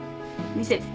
見せて。